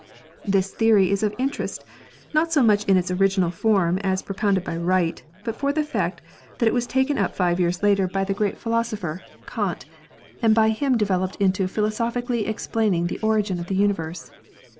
This theory is of interest, not so much in its original form as propounded by Wright, but for the fact that it was taken up five years later by the VARIABLE AND BINARY STARS 289 great philosopher, Kant, and by him developed in philo sophically explaining the origin of the universe.